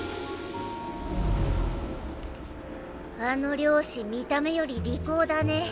あの漁師見た目より利口だね。